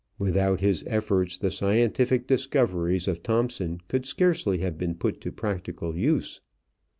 Without his efforts the scientific discoveries of Thomson could scarcely have been put to practical use.